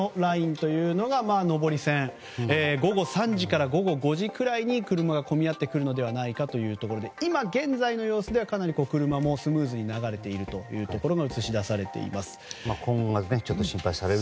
上り線は午後３時から午後５時ぐらいに車が混み合ってくるのではないかということで今現在の様子ではかなり車もスムーズに流れているのが今後が心配されますね。